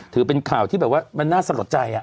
ถือเป็นข่าวที่แบบว่ามันน่าสะลดใจ